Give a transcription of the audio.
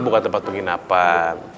bukan tempat penginapan